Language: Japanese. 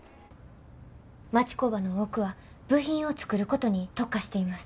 町工場の多くは部品を作ることに特化しています。